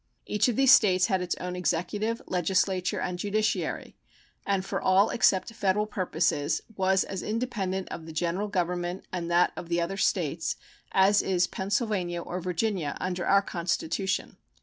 Each of these States had its own executive, legislature, and judiciary, and for all except federal purposes was as independent of the General Government and that of the other States as is Pennsylvania or Virginia under our Constitution.